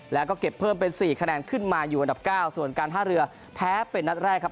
แล้วก็เก็บเพิ่มเป็น๔คะแนนขึ้นมาอยู่อันดับเก้าส่วนการท่าเรือแพ้เป็นนัดแรกครับ